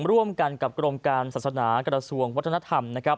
ร่วมกันกับกรมการศาสนากระทะสวงวัฒนธรรม